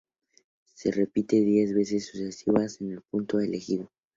Se repite diez veces sucesivas en el punto elegido.